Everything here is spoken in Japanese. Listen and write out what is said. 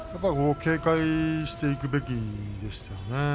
警戒していくべきでしたね。